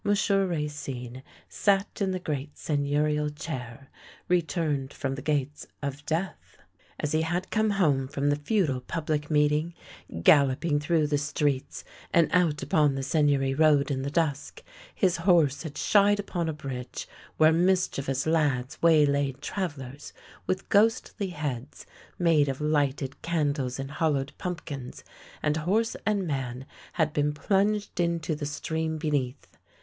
Racine sat in the great seigneurial chair, returned THE LANE THAT HAD NO TURNING 5 from the gates of death. As he had come home from the futile pubHc meeting, galloping through the streets and out upon the Seigneury road in the dusk, his horse had shied upon a bridge where mischievous lads waylaid travellers with ghostly heads made of lighted candles in hollowed pumpkins, and horse and man had been plunged into the stream beneath.